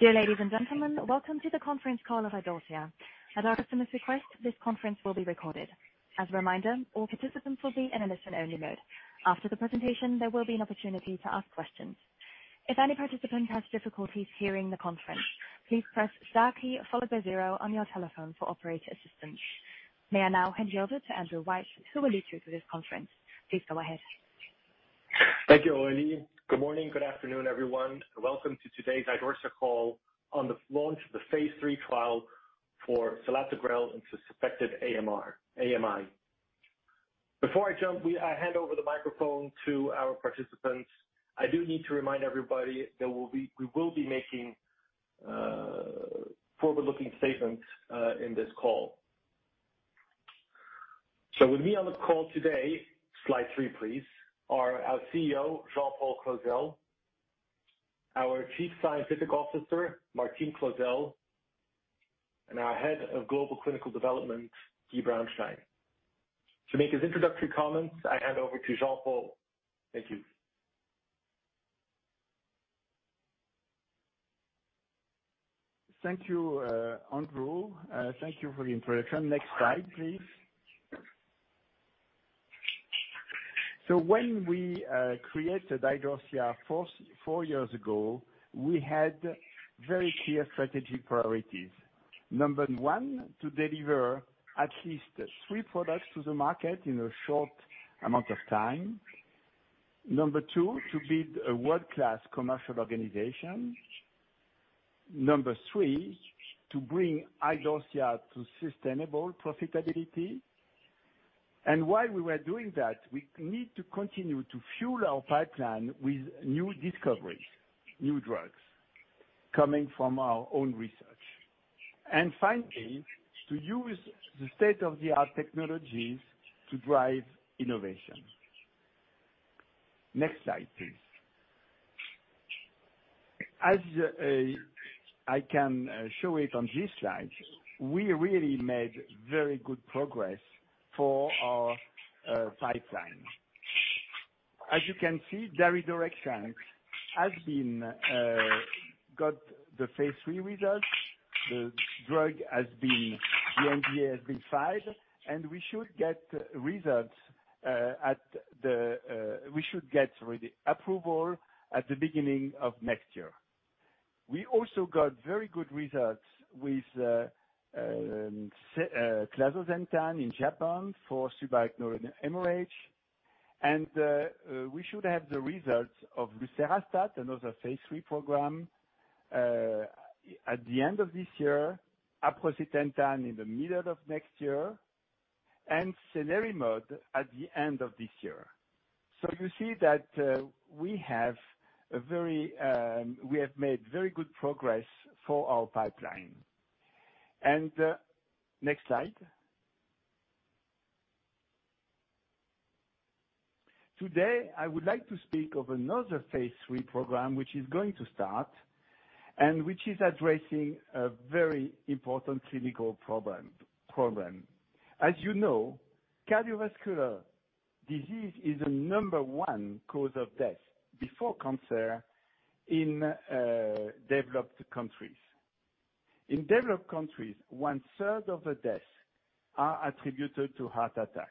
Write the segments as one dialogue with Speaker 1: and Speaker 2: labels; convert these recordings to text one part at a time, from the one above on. Speaker 1: Dear ladies and gentlemen, welcome to the conference call of Idorsia. At our customers' request, this conference will be recorded. As a reminder, all participants will be in a listen-only mode. After the presentation, there will be an opportunity to ask questions. If any participant has difficulties hearing the conference, please press star key followed by zero on your telephone for operator assistance. May I now hand you over to Andrew Weiss, who will lead you through this conference. Please go ahead.
Speaker 2: Thank you, Aurelie. Good morning, good afternoon, everyone. Welcome to today's Idorsia call on the launch of the phase III trial for selatogrel into suspected AMI. Before I hand over the microphone to our participants, I do need to remind everybody that we will be making forward-looking statements in this call. With me on the call today, slide three, please, are our CEO, Jean-Paul Clozel, our Chief Scientific Officer, Martine Clozel, and our Head of Global Clinical Development, Guy Braunstein. To make his introductory comments, I hand over to Jean-Paul. Thank you.
Speaker 3: Thank you, Andrew. Thank you for the introduction. Next slide, please. When we created Idorsia four years ago, we had very clear strategic priorities. Number one, to deliver at least three products to the market in a short amount of time. Number two, to build a world-class commercial organization. Number three, to bring Idorsia to sustainable profitability. While we were doing that, we need to continue to fuel our pipeline with new discoveries, new drugs coming from our own research. Finally, to use the state-of-the-art technologies to drive innovation. Next slide, please. As I can show it on this slide, we really made very good progress for our pipeline. As you can see, daridorexant has got the phase III results. The NDA has been filed, and we should get the approval at the beginning of next year. We also got very good results with clazosentan in Japan for subarachnoid hemorrhage. We should have the results of lucerastat, another phase III program, at the end of this year, aprocitentan in the middle of next year. cenerimod at the end of this year. You see that we have made very good progress for our pipeline. Next slide. Today, I would like to speak of another phase III program, which is going to start and which is addressing a very important clinical problem. As you know, cardiovascular disease is the number one cause of death, before cancer, in developed countries. In developed countries, 1/3 of the deaths are attributed to heart attack.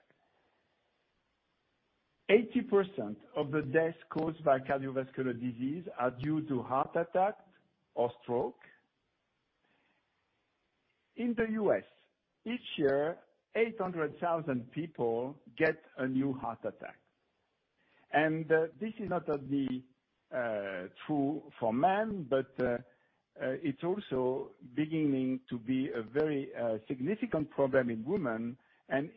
Speaker 3: 80% of the deaths caused by cardiovascular disease are due to heart attack or stroke. In the U.S., each year, 800,000 people get a new heart attack. This is not only true for men, but it's also beginning to be a very significant problem in women.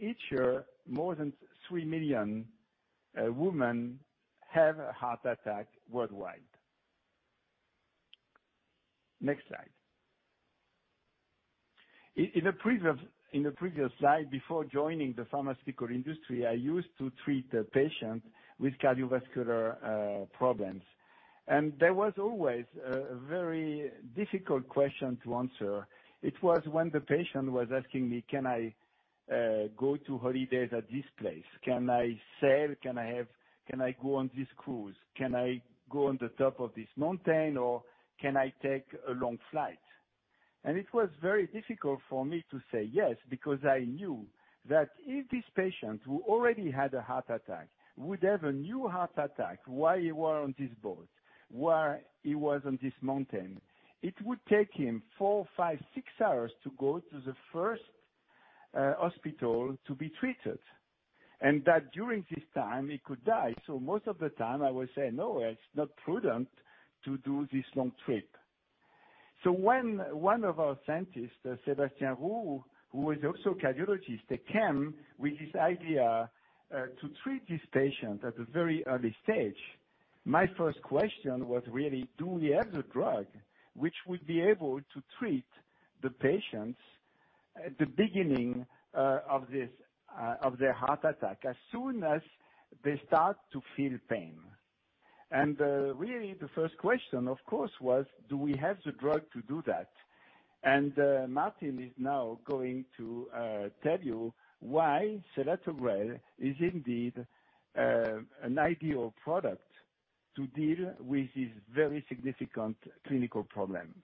Speaker 3: Each year, more than 3 million women have a heart attack worldwide. Next slide. In the previous slide, before joining the pharmaceutical industry, I used to treat patients with cardiovascular problems. There was always a very difficult question to answer. It was when the patient was asking me, "Can I go to holidays at this place? Can I sail? Can I go on this cruise? Can I go on the top of this mountain, or can I take a long flight?" It was very difficult for me to say yes, because I knew that if this patient, who already had a heart attack, would have a new heart attack while he were on this boat, while he was on this mountain, it would take him 4, 5, 6 hours to go to the first hospital to be treated. That during this time, he could die. Most of the time, I would say, "No, it's not prudent to do this long trip." When one of our scientists, Sébastien Roux, who was also a cardiologist, came with this idea to treat these patients at a very early stage, my first question was really, do we have the drug which would be able to treat the patients at the beginning of their heart attack, as soon as they start to feel pain? Really, the first question, of course, was, do we have the drug to do that? Martine is now going to tell you why selatogrel is indeed an ideal product to deal with this very significant clinical problem.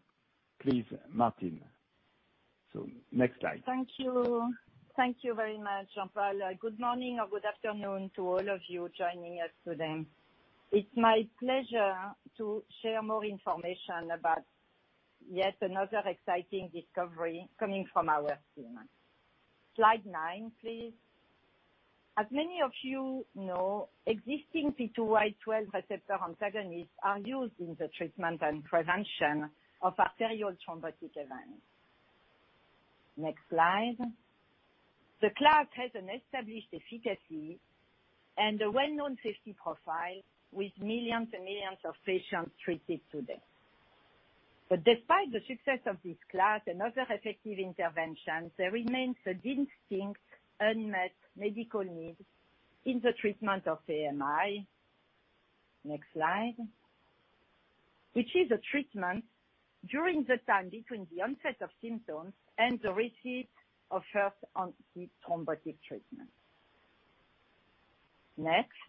Speaker 3: Please, Martine. Next slide.
Speaker 4: Thank you. Thank you very much, Jean-Paul. Good morning or good afternoon to all of you joining us today. It is my pleasure to share more information about yet another exciting discovery coming from our team. Slide nine, please. As many of you know, existing P2Y12 receptor antagonists are used in the treatment and prevention of arterial thrombotic events. Next slide. The class has an established efficacy and a well-known safety profile, with millions and millions of patients treated to date. Despite the success of this class and other effective interventions, there remains a distinct unmet medical need in the treatment of AMI. Next slide. Which is a treatment during the time between the onset of symptoms and the receipt of first anti-thrombotic treatment. Next.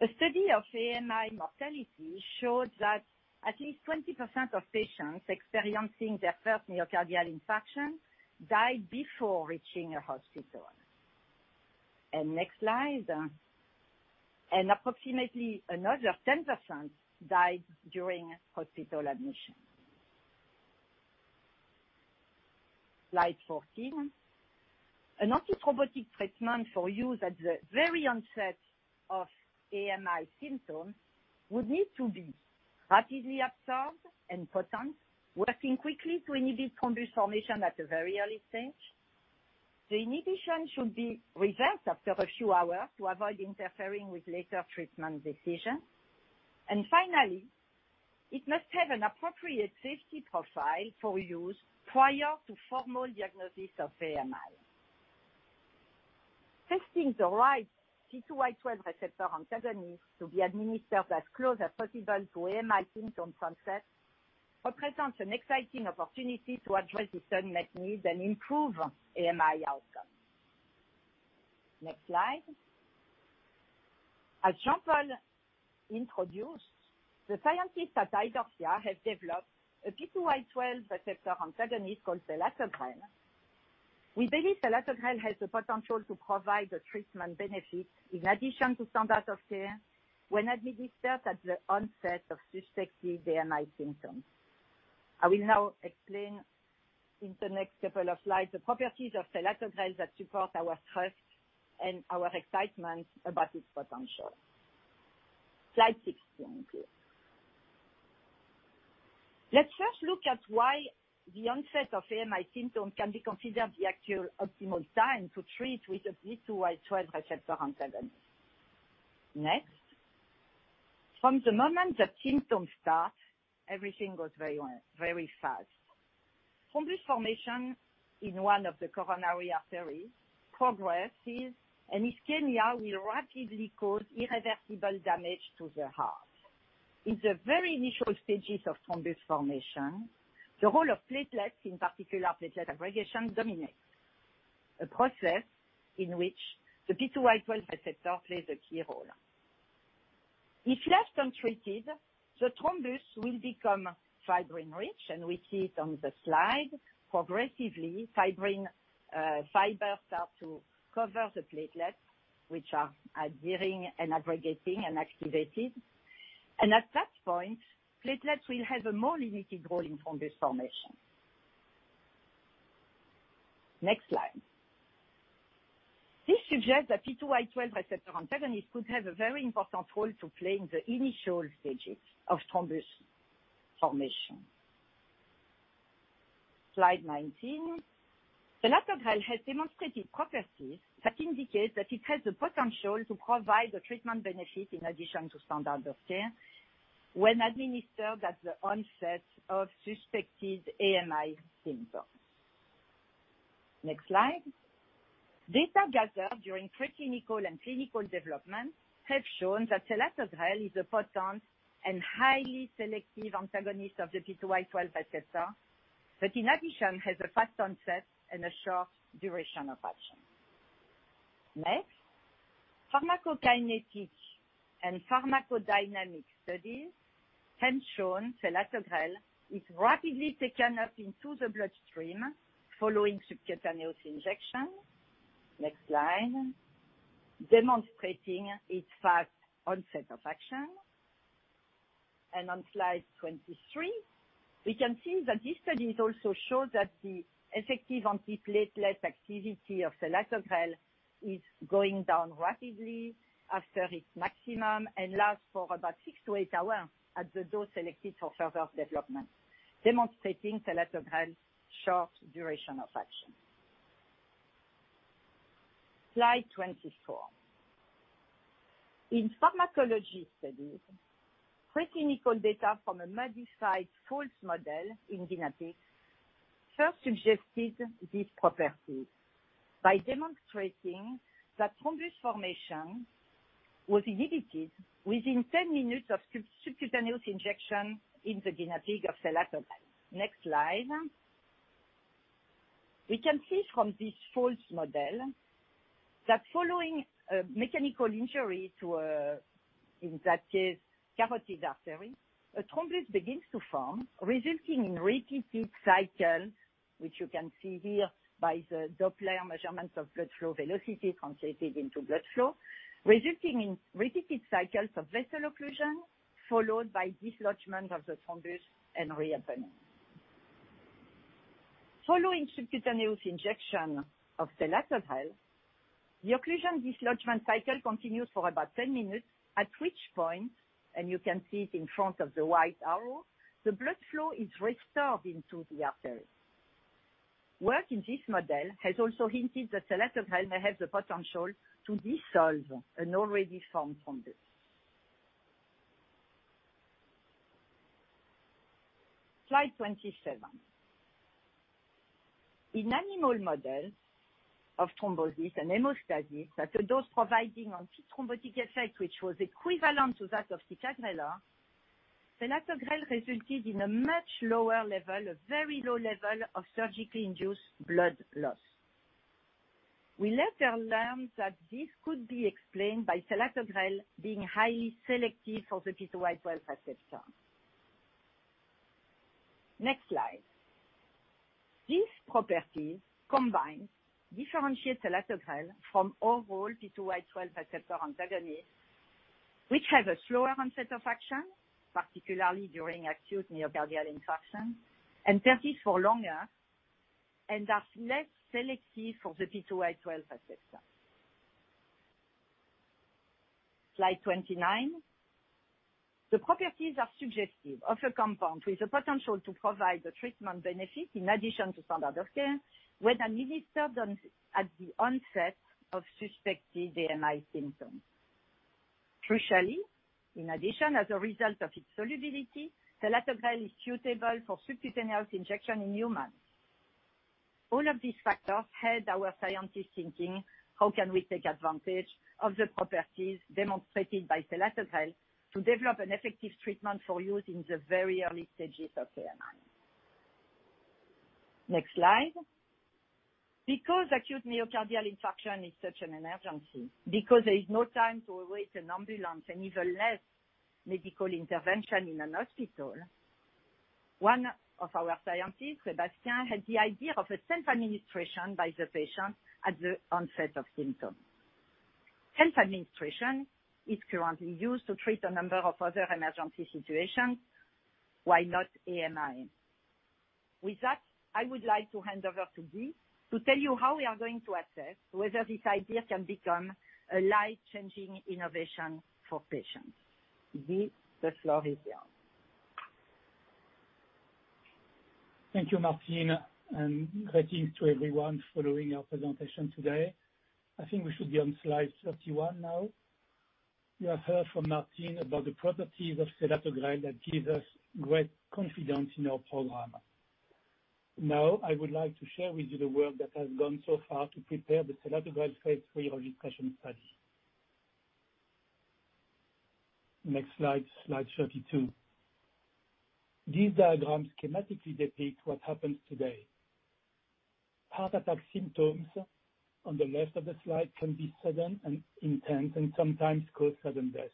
Speaker 4: A study of AMI mortality showed that at least 20% of patients experiencing their first myocardial infarction died before reaching a hospital. Next slide. Approximately another 10% died during hospital admission. Slide 14. An antithrombotic treatment for use at the very onset of AMI symptoms would need to be rapidly absorbed and potent, working quickly to inhibit thrombus formation at the very early stage. The inhibition should be reversed after a few hours to avoid interfering with later treatment decisions. Finally, it must have an appropriate safety profile for use prior to formal diagnosis of AMI. Fixing the right P2Y12 receptor antagonist to be administered as close as possible to AMI symptom onset represents an exciting opportunity to address this unmet need and improve AMI outcomes. Next slide. As Jean-Paul introduced, the scientists at Idorsia have developed a P2Y12 receptor antagonist called selatogrel. We believe selatogrel has the potential to provide the treatment benefits in addition to standard of care when administered at the onset of suspected AMI symptoms. I will now explain in the next several slides the properties of selatogrel that support our trust and our excitement about its potential. Slide 16. Let's first look at why the onset of AMI symptoms can be considered the actual optimal time to treat with a P2Y12 receptor antagonist. Next. From the moment the symptoms start, everything goes very wrong very fast. Thrombus formation in one of the coronary arteries progresses, and ischemia will rapidly cause irreversible damage to the heart. In the very initial stages of thrombus formation, the role of platelets, in particular platelet aggregation, dominates, a process in which the P2Y12 receptor plays a key role. If left untreated, the thrombus will become fibrin-rich, and we see it on the slide. Progressively, fibrin fibers start to cover the platelets, which are adhering and aggregating and activated. At that point, platelets will have a more limited role in thrombus formation. Next slide. This suggests that P2Y12 receptor antagonists could have a very important role to play in the initial stages of thrombus formation. Slide 19. Selatogrel has demonstrated properties that indicate that it has the potential to provide the treatment benefit in addition to standard of care when administered at the onset of suspected AMI symptoms. Next slide. Data gathered during preclinical and clinical development have shown that selatogrel is a potent and highly selective antagonist of the P2Y12 receptor, but in addition, has a fast onset and a short duration of action. Next. Pharmacokinetic and pharmacodynamic studies have shown selatogrel is rapidly taken up into the bloodstream following subcutaneous injection. Next slide. Demonstrating its fast onset of action. On slide 23, we can see that these studies also show that the effective anti-platelet activity of selatogrel is going down rapidly after its maximum and lasts for about six to eight hours at the dose selected for further development, demonstrating selatogrel's short duration of action. Slide 24. In pharmacology studies, preclinical data from a modified Folts model in Antares suggested these properties by demonstrating that thrombus formation was inhibited within 10 minutes of subcutaneous injection in the guinea pig of selatogrel. Next slide. We can see from this Folts model that following a mechanical injury to a, in that case, carotid artery, a thrombus begins to form, resulting in repeated cycles, which you can see here by the Doppler measurements of blood flow velocity translated into blood flow, resulting in repeated cycles of vessel occlusion, followed by dislodgement of the thrombus and reopening. Following subcutaneous injection of selatogrel, the occlusion dislodgement cycle continues for about 10 minutes, at which point, and you can see it in front of the white arrow, the blood flow is restored into the artery. Work in this model has also hinted that selatogrel may have the potential to dissolve an already formed thrombus. Slide 27. In animal models of thrombosis and hemostasis, at a dose providing anti-thrombotic effect which was equivalent to that of ticagrelor, selatogrel resulted in a much lower level, a very low level, of surgically induced blood loss. We later learned that this could be explained by selatogrel being highly selective for the P2Y12 receptor. Next slide. These properties combined differentiate selatogrel from overall P2Y12 receptor antagonists, which have a slower onset of action, particularly during acute myocardial infarction, and persist for longer, and are less selective for the P2Y12 receptor. Slide 29. The properties are suggestive of a compound with the potential to provide a treatment benefit in addition to standard of care when administered at the onset of suspected AMI symptoms. Crucially, in addition, as a result of its solubility, selatogrel is suitable for subcutaneous injection in humans. All of these factors had our scientists thinking, how can we take advantage of the properties demonstrated by selatogrel to develop an effective treatment for use in the very early stages of AMI? Next slide. Acute myocardial infarction is such an emergency, because there is no time to await an ambulance and even less medical intervention in a hospital, one of our scientists, Sébastien, had the idea of a self-administration by the patient at the onset of symptoms. Self-administration is currently used to treat a number of other emergency situations. Why not AMI? With that, I would like to hand over to Guy to tell you how we are going to assess whether this idea can become a life-changing innovation for patients. Guy, the floor is yours.
Speaker 5: Thank you, Martine, and greetings to everyone following our presentation today. I think we should be on slide 31 now. You have heard from Martine about the properties of selatogrel that gives us great confidence in our program. I would like to share with you the work that has gone so far to prepare the selatogrel phase III registration study. Next slide 32. These diagrams schematically depict what happens today. Heart attack symptoms on the left of the slide can be sudden and intense and sometimes cause sudden death.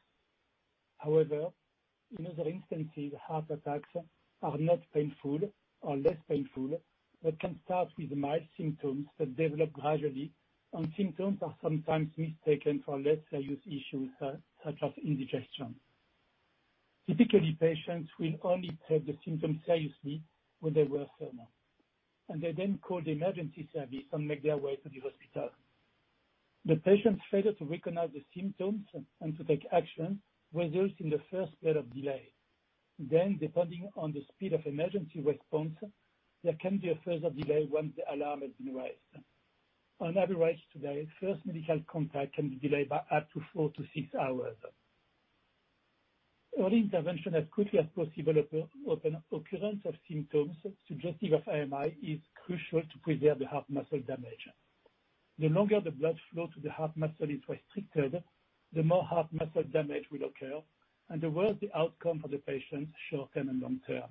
Speaker 5: In other instances, heart attacks are not painful or less painful, but can start with mild symptoms that develop gradually, and symptoms are sometimes mistaken for less serious issues such as indigestion. Typically, patients will only take the symptoms seriously when they worsen, and they then call the emergency service and make their way to the hospital. The patient's failure to recognize the symptoms and to take action results in the first period of delay. Depending on the speed of emergency response, there can be a further delay once the alarm has been raised. On average today, first medical contact can be delayed by up to four to six hours. Early intervention as quickly as possible at the occurrence of symptoms suggestive of AMI is crucial to preserve the heart muscle damage. The longer the blood flow to the heart muscle is restricted, the more heart muscle damage will occur and the worse the outcome for the patient short-term and long-term.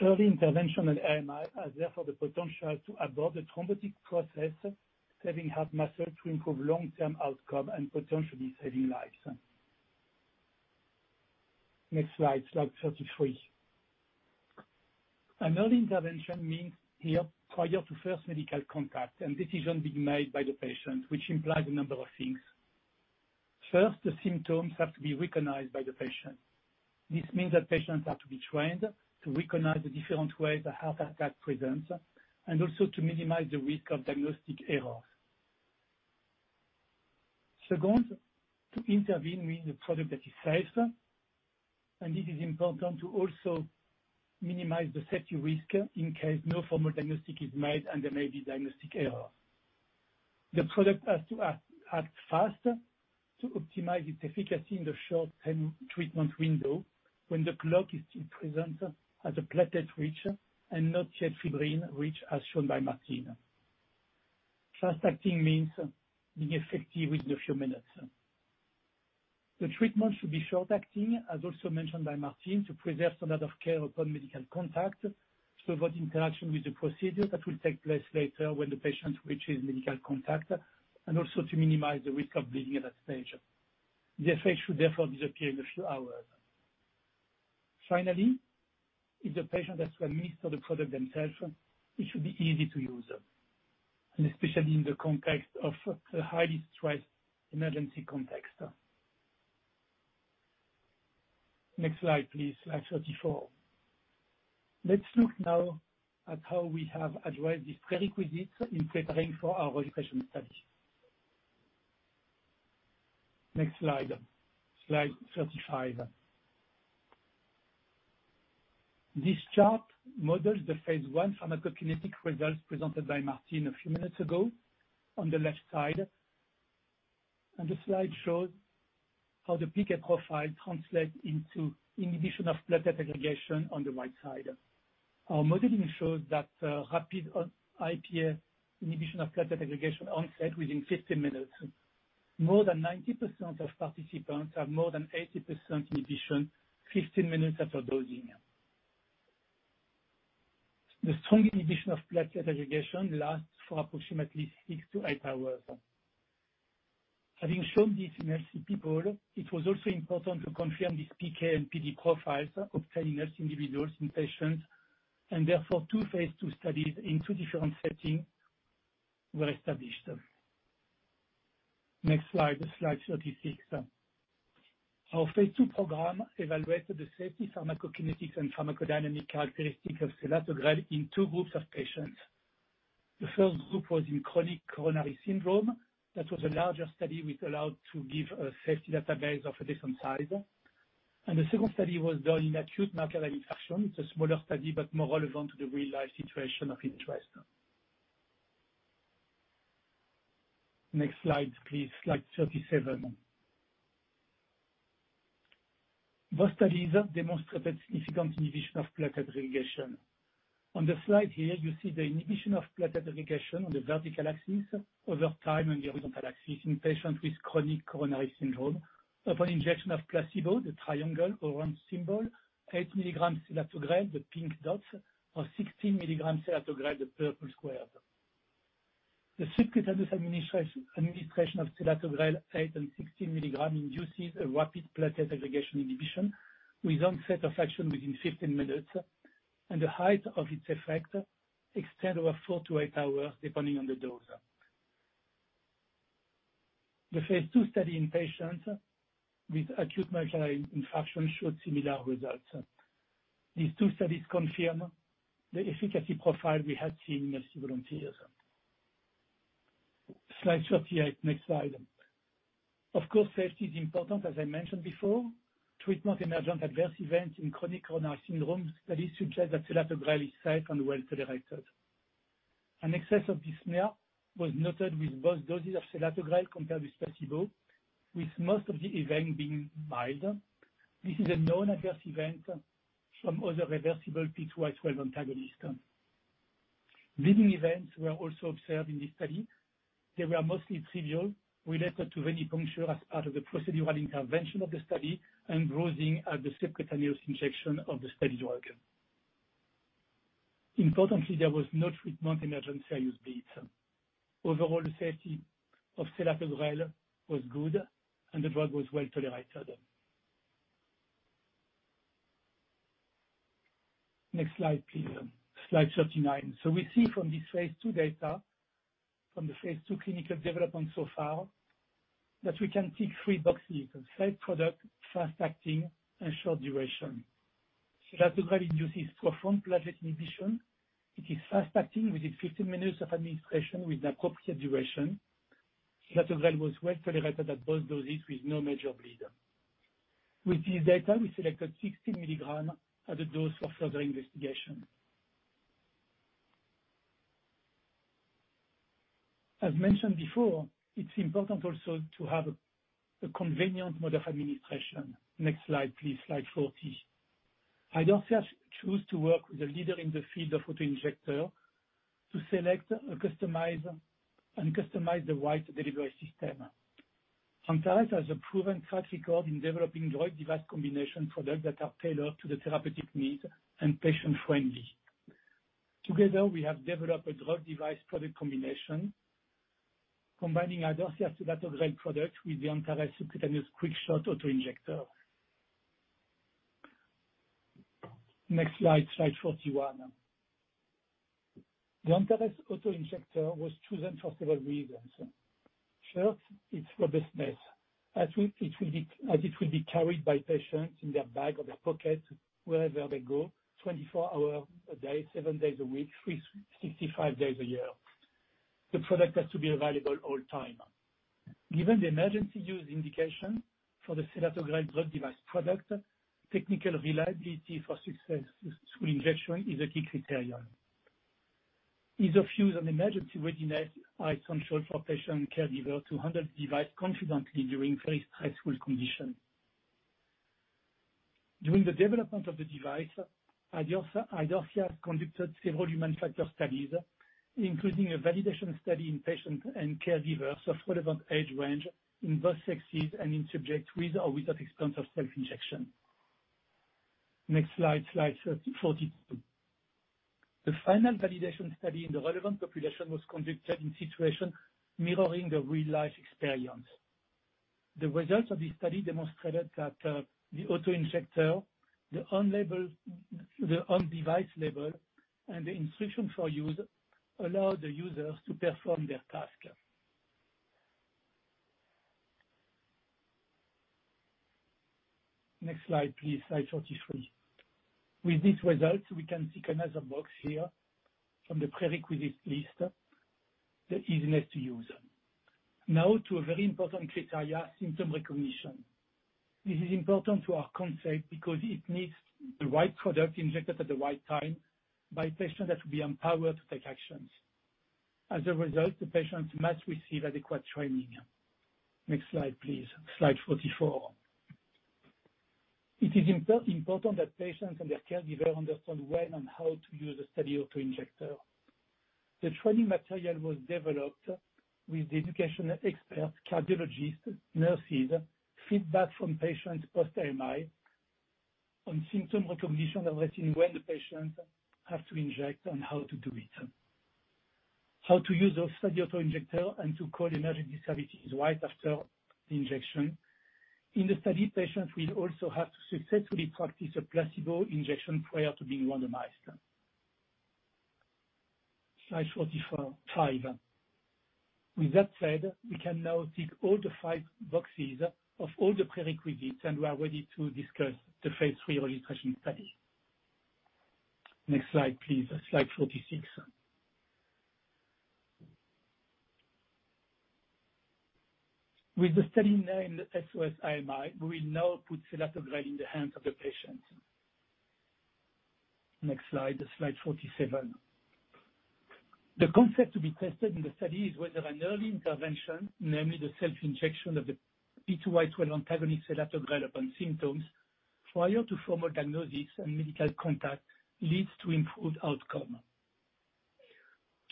Speaker 5: Early intervention in AMI has therefore the potential to abort the thrombotic process, saving heart muscle to improve long-term outcome and potentially saving lives. Next slide 33. An early intervention means here, prior to first medical contact and decision being made by the patient, which implies a number of things. First, the symptoms have to be recognized by the patient. This means that patients have to be trained to recognize the different ways a heart attack presents and also to minimize the risk of diagnostic errors. Second, to intervene with a product that is safe, and it is important to also minimize the safety risk in case no formal diagnostic is made and there may be diagnostic error. The product has to act fast to optimize its efficacy in the short-term treatment window when the clot is still present at the platelet-rich and not yet fibrin-rich, as shown by Martine. Fast-acting means being effective within a few minutes. The treatment should be short-acting, as also mentioned by Martine, to preserve the amount of care upon medical contact, to avoid interaction with the procedure that will take place later when the patient reaches medical contact, and also to minimize the risk of bleeding at that stage. The effect should therefore disappear in a few hours. Finally, if the patient has to administer the product themselves, it should be easy to use, and especially in the context of the highly stressed emergency context. Next slide, please. Slide 34. Let's look now at how we have addressed these prerequisites in preparing for our registration study. Next slide 35. This chart models the phase I pharmacokinetic results presented by Martine a few minutes ago on the left side, and the slide shows how the PK profile translates into inhibition of platelet aggregation on the right side. Our modeling shows that rapid IPA inhibition of platelet aggregation onset within 15 minutes. More than 90% of participants have more than 80% inhibition 15 minutes after dosing. The strong inhibition of platelet aggregation lasts for approximately six to eight hours. Having shown this in healthy people, it was also important to confirm this PK and PD profile obtaining less individuals in patients. Therefore, two phase II studies in two different settings were established. Next slide 36. Our phase II program evaluated the safety pharmacokinetics and pharmacodynamic characteristics of selatogrel in two groups of patients. The first group was in chronic coronary syndrome. That was a larger study, which allowed to give a safety database of a different size. The second study was done in acute myocardial infarction. It's a smaller study, but more relevant to the real-life situation of interest. Next slide, please. Slide 37. Both studies demonstrated significant inhibition of platelet aggregation. On the slide here, you see the inhibition of platelet aggregation on the vertical axis over time and the horizontal axis in patients with chronic coronary syndrome upon injection of placebo, the triangle or round symbol, 8 mg selatogrel, the pink dots, or 16 mg selatogrel, the purple squares. The subcutaneous administration of selatogrel 8 mg and 16 mg induces a rapid platelet aggregation inhibition with onset of action within 15 minutes, and the height of its effect extends over four to eight hours, depending on the dose. The phase II study in patients with acute myocardial infarction showed similar results. These two studies confirm the efficacy profile we had seen in healthy volunteers. Slide 38. Next slide. Safety is important, as I mentioned before. Treatment-emergent adverse events in chronic coronary syndrome studies suggest that selatogrel is safe and well-tolerated. An excess of dyspnea was noted with both doses of selatogrel compared with placebo, with most of the events being mild. This is a known adverse event from other reversible P2Y12 antagonists. Bleeding events were also observed in this study. They were mostly trivial, related to venipuncture as part of the procedural intervention of the study and bruising at the subcutaneous injection of the study drug. Importantly, there was no treatment-emergent serious bleed. Overall, the safety of selatogrel was good, and the drug was well-tolerated. Next slide, please. Slide 39. We see from this phase II data, from the phase II clinical development so far, that we can tick three boxes. Safe product, fast acting, and short duration. Selatogrel induces profound platelet inhibition. It is fast acting within 15 minutes of administration with appropriate duration. Selatogrel was well-tolerated at both doses with no major bleed. With this data, we selected 60 mg as a dose for further investigation. As mentioned before, it's important also to have a convenient mode of administration. Next slide, please. Slide 40. Idorsia chose to work with a leader in the field of auto-injector to select and customize the right delivery system. Antares has a proven track record in developing drug device combination products that are tailored to the therapeutic need and patient-friendly. Together, we have developed a drug device product combination, combining Idorsia selatogrel product with the Antares subcutaneous QuickShot auto-injector. Next slide 41. The Antares auto-injector was chosen for several reasons. First, its robustness, as it will be carried by patients in their bag or their pocket wherever they go, 24 hours a day, 7 days a week, 365 days a year. The product has to be reliable all the time. Given the emergency use indication for the selatogrel drug device product, technical reliability for successful autoinjection is a key criterion. Ease of use and emergency readiness are essential for patient and caregiver to handle the device confidently during very stressful condition. During the development of the device, Idorsia conducted several human factor studies, including a validation study in patients and caregivers of relevant age range in both sexes and in subjects with or without experience of self-injection. Next slide 42. The final validation study in the relevant population was conducted in situation mirroring the real-life experience. The results of this study demonstrated that the autoinjector, the on-device label, and the instruction for use allowed the users to perform their task. Next slide, please. Slide 43. With these results, we can tick another box here from the prerequisite list, the easiness to use. To a very important criteria, symptom recognition. This is important to our concept because it needs the right product injected at the right time by a patient that will be empowered to take actions. As a result, the patients must receive adequate training. Next slide, please. Slide 44. It is important that patients and their caregivers understand when and how to use a study autoinjector. The training material was developed with the education experts, cardiologists, nurses, feedback from patients post-AMI on symptom recognition, assessing when the patients have to inject and how to do it. How to use a study autoinjector and to call emergency services right after the injection. In the study, patients will also have to successfully practice a placebo injection prior to being randomized. Slide 45. With that said, we can now tick all the five boxes of all the prerequisites, and we are ready to discuss the phase III registration study. Next slide, please. Slide 46. With the study named SOS-AMI, we will now put selatogrel in the hands of the patient. Next slide 47. The concept to be tested in the study is whether an early intervention, namely the self-injection of the P2Y12 antagonist selatogrel upon symptoms, prior to formal diagnosis and medical contact, leads to improved outcome.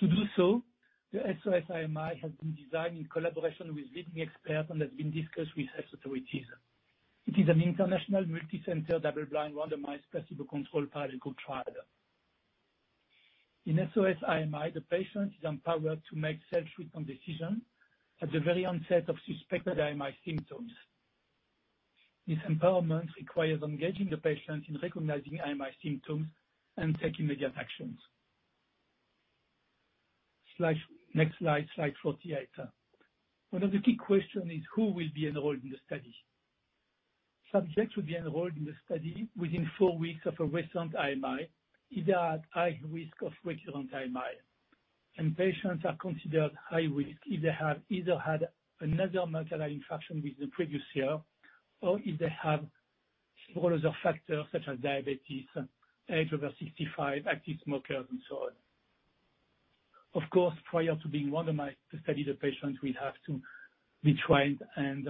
Speaker 5: To do so, the SOS-AMI has been designed in collaboration with leading experts and has been discussed with health authorities. It is an international, multicenter, double-blind, randomized, placebo-controlled clinical trial. In SOS-AMI, the patient is empowered to make self-treatment decision at the very onset of suspected AMI symptoms. This empowerment requires engaging the patient in recognizing AMI symptoms and taking immediate actions. Next slide 48. One of the key questions is who will be enrolled in the study? Subjects will be enrolled in the study within 4 weeks of a recent AMI, either at high risk of recurrent AMI. Patients are considered high risk if they have either had another myocardial infarction within the previous year, or if they have several other factors such as diabetes, age over 65, active smokers, and so on. Of course, prior to being randomized to study, the patients will have to be trained and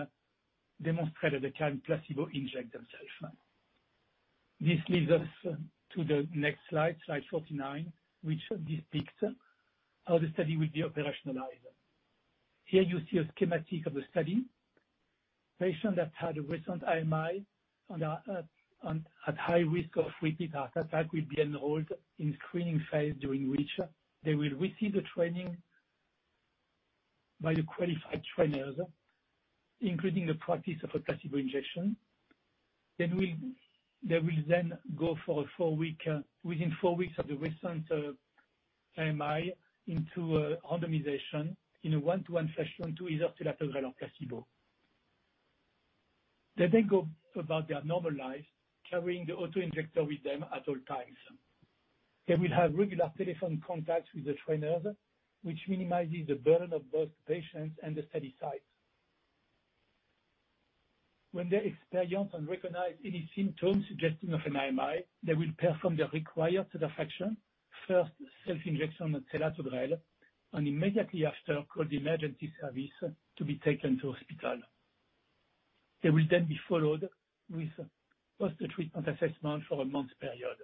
Speaker 5: demonstrate that they can placebo inject themselves. This leads us to the next slide 49, which depicts how the study will be operationalized. Here you see a schematic of the study. Patient that had a recent AMI and are at high risk of repeat heart attack will be enrolled in screening phase, during which they will receive the training by the qualified trainers, including the practice of a placebo injection. They will go within four weeks of the recent AMI into a randomization in a 1:1 fashion to either selatogrel or placebo. They go about their normal life, carrying the auto-injector with them at all times. They will have regular telephone contacts with the trainers, which minimizes the burden of both patients and the study sites. When they experience and recognize any symptoms suggesting of an AMI, they will perform the required two actions, first self-injection of selatogrel, and immediately after, call the emergency service to be taken to hospital. They will be followed with post-treatment assessment for a one-month period.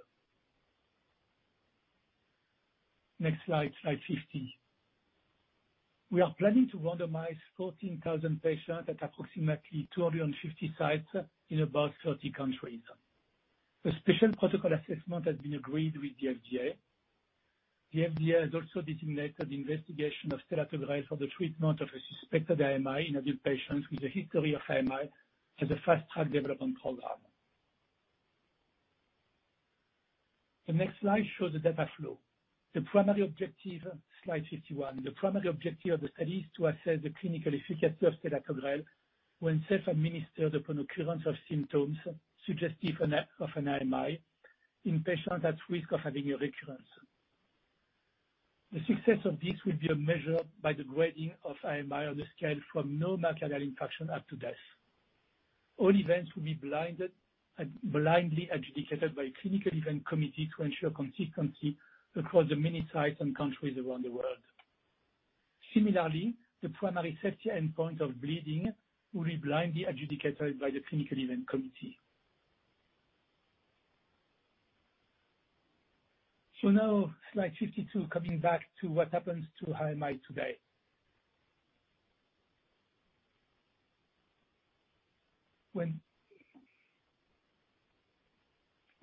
Speaker 5: Next slide 50. We are planning to randomize 14,000 patients at approximately 250 sites in about 30 countries. The special protocol assessment has been agreed with the FDA. The FDA has also designated investigation of selatogrel for the treatment of a suspected AMI in adult patients with a history of AMI as a Fast Track development program. The next slide shows the data flow. Slide 51. The primary objective of the study is to assess the clinical efficacy of selatogrel when self-administered upon occurrence of symptoms suggestive of an AMI in patients at risk of having a recurrence. The success of this will be measured by the grading of MI on the scale from no myocardial infarction up to death. All events will be blindly adjudicated by clinical event committee to ensure consistency across the many sites and countries around the world. Similarly, the primary safety endpoint of bleeding will be blindly adjudicated by the clinical event committee. Slide 52, coming back to what happens to MI today.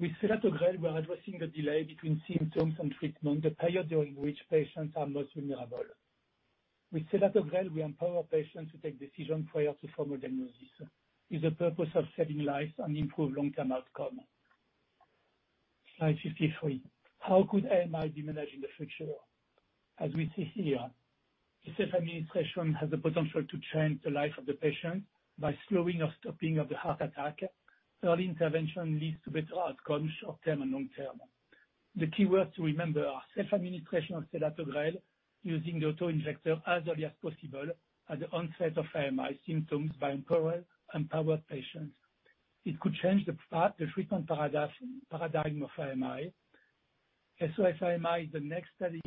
Speaker 5: With selatogrel, we're addressing the delay between symptoms and treatment, the period during which patients are most vulnerable. With selatogrel, we empower patients to take decisions prior to formal diagnosis, with the purpose of saving lives and improve long-term outcome. Slide 53. How could MI be managed in the future? As we see here, the self-administration has the potential to change the life of the patient by slowing or stopping of the heart attack. Early intervention leads to better outcomes short-term and long-term. The keywords to remember are self-administration of selatogrel using the auto-injector as early as possible at the onset of MI symptoms by empowered and powered patients. It could change the treatment paradigm of MI. SOS-AMI is the next study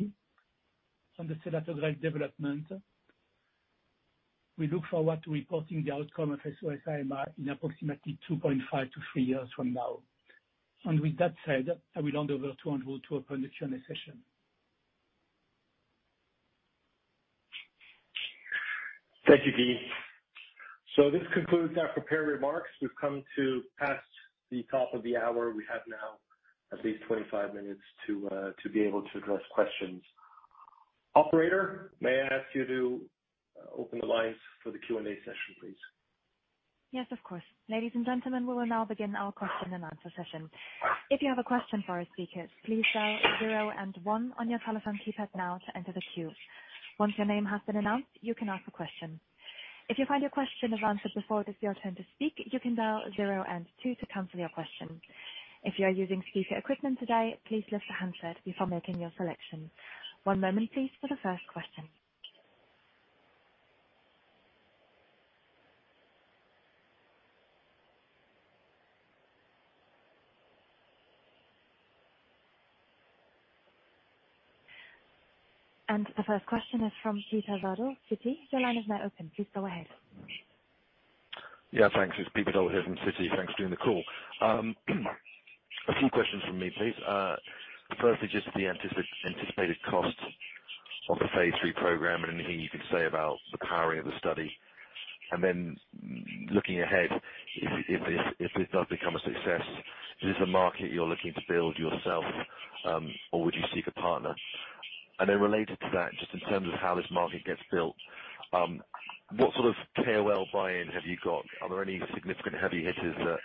Speaker 5: on the selatogrel development. We look forward to reporting the outcome of SOS-AMI in approximately 2.5 to three years from now. With that said, I will now hand over to Andrew for the Q&A session.
Speaker 2: Thank you, Guy. This concludes our prepared remarks. We've come to past the top of the hour. We have now at least 25 minutes to be able to address questions. Operator, may I ask you to open the lines for the Q&A session, please?
Speaker 1: Yes, of course. Ladies and gentlemen, we will now begin our question-and-answer session. If you have a question for our speakers, please dial zero and one on your telephone keypad now to enter the queue. Once your name has been announced, you can ask a question. If you find your question has answered before it is your turn to speak, you can dial zero and two to cancel your question. If you are using speaker equipment today, please lift the handset before making your selection. One moment, please, for the first question. The first question is from Peter Verdult Citi. Your line is now open. Please go ahead.
Speaker 6: Yeah, thanks. It's Peter Verdult from Citi. Thanks for doing the call. A few questions from me, please. Firstly, just the anticipated cost of the phase III program, and anything you can say about the powering of the study. Then looking ahead, if this does become a success, is this a market you're looking to build yourself, or would you seek a partner? Then related to that, just in terms of how this market gets built, what sort of KOL buy-in have you got? Are there any significant heavy hitters that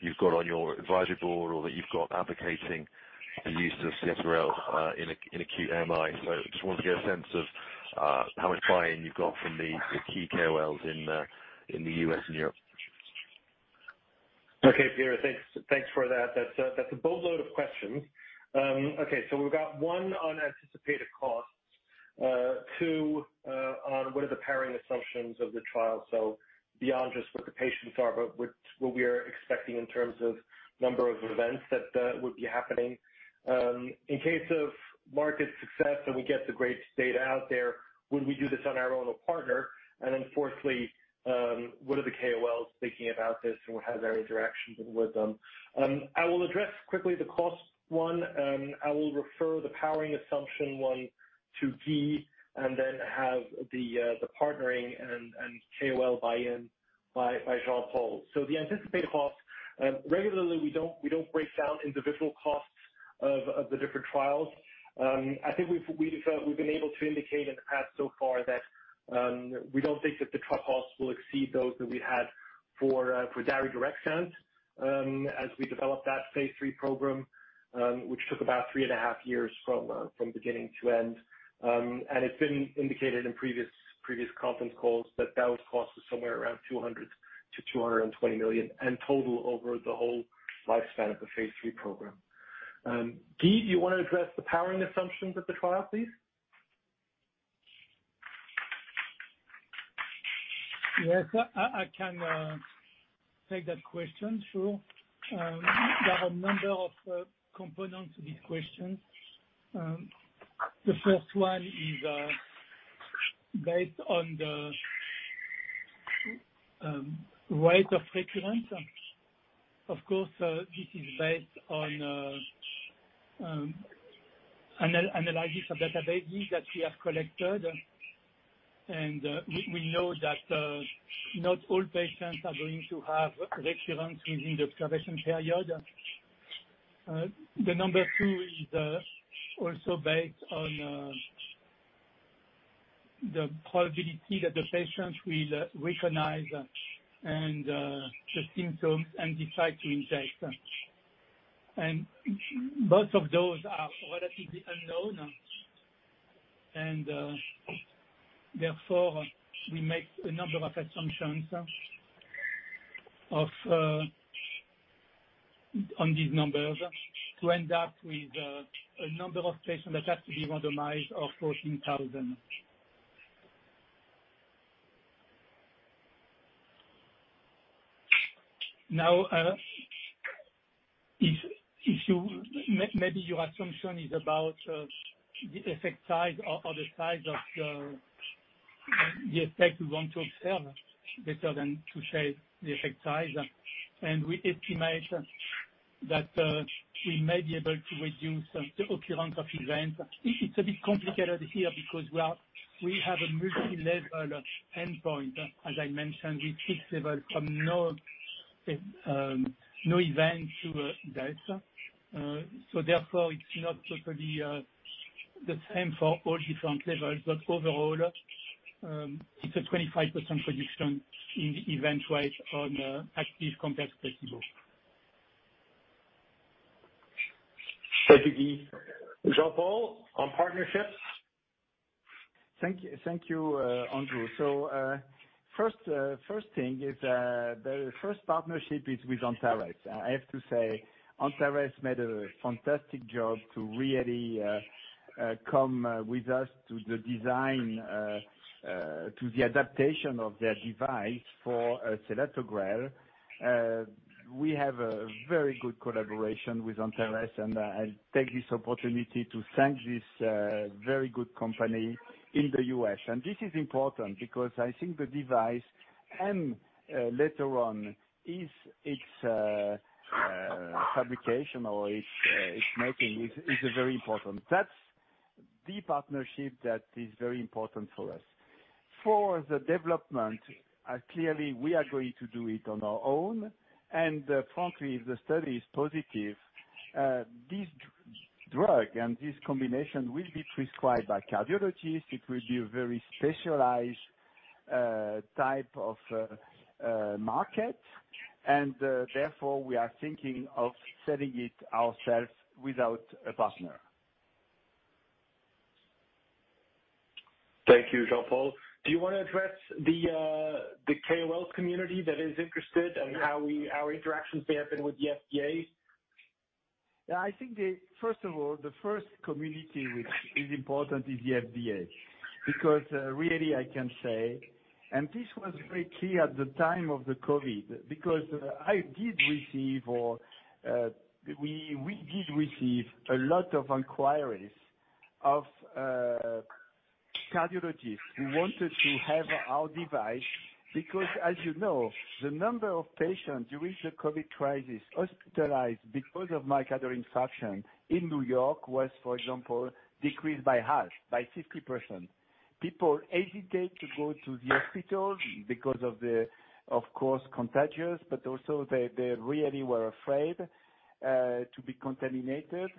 Speaker 6: you've got on your advisory board or that you've got advocating the use of selatogrel in acute AMI? I just want to get a sense of how much buy-in you've got from the key KOLs in the U.S. and Europe.
Speaker 2: Okay, Peter, thanks for that. That's a boatload of questions. Okay, we've got one on anticipated cost, two on what are the powering assumptions of the trial. Beyond just what the patients are, but what we are expecting in terms of number of events that would be happening. In case of market success and we get the great data out there, would we do this on our own or partner? Fourthly, what are the KOLs thinking about this and how's our interactions been with them? I will address quickly the cost one, and I will refer the powering assumption one to Guy, and then have the partnering and KOL buy-in by Jean-Paul. The anticipated cost, regularly, we don't break down individual costs of the different trials. I think we've been able to indicate in the past so far that we don't think that the trial costs will exceed those that we had for daridorexant as we developed that phase III program, which took about three and a half years from beginning to end. It's been indicated in previous conference calls that those costs were somewhere around 200 million-220 million in total over the whole lifespan of the phase III program. Guy, do you want to address the powering assumptions of the trial, please?
Speaker 5: Yes, I can take that question. Sure. There are a number of components to this question. The first one is based on the rate of recurrence. Of course, this is based on analysis of databases that we have collected, and we know that not all patients are going to have a recurrence within the observation period. The number two is also based on the probability that the patient will recognize the symptoms and decide to inject. Both of those are relatively unknown, and therefore, we make a number of assumptions on these numbers to end up with a number of patients that have to be randomized of 14,000. Maybe your assumption is about the effect size or the size of the effect we want to observe, better than to say the effect size. We estimate that we may be able to reduce the occurrence of events. It's a bit complicated here because we have a multi-level endpoint. As I mentioned, we fixed level from no event to death. Therefore, it's not totally the same for all different levels. Overall, it's a 25% reduction in event rate on active complex placebo.
Speaker 2: Thank you Guy, Jean-Paul. On partnership?
Speaker 3: Thank you, Andrew. The first partnership is with Antares. I have to say Antares made a fantastic job to really come with us to the design, to the adaptation of their device for selatogrel. We have a very good collaboration with Antares, and I'll take this opportunity to thank this very good company in the U.S. This is important because I think the device and later on its fabrication or its making is very important. That's the partnership that is very important for us. For the development, clearly, we are going to do it on our own. Frankly, if the study is positive this drug and this combination will be prescribed by cardiologists. It will be a very specialized type of market, and therefore we are thinking of selling it ourselves without a partner.
Speaker 2: Thank you, Jean-Paul. Do you want to address the KOL community that is interested and how interactions there have been with the FDA?
Speaker 3: I think, first of all, the first community which is important is the FDA. Really I can say, this was very clear at the time of the COVID, because we did receive a lot of inquiries of cardiologists who wanted to have our device because as you know, the number of patients during the COVID crisis hospitalized because of myocardial infarction in New York was, for example, decreased by half, by 50%. People hesitate to go to the hospital because, of course, contagious, but also they really were afraid to be contaminated,